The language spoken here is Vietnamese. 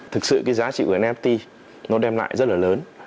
thực sự cái giá trị của vnpt nó đem lại rất là lớn